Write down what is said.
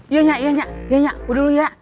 iya nyak iya nyak udah dulu ya